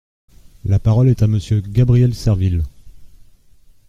La parole est à Monsieur Gabriel Serville.